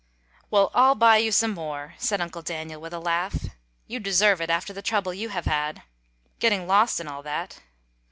"Well, I'll buy you some more," said Uncle Daniel with a laugh. "You deserve it after the trouble you have had getting lost and all that."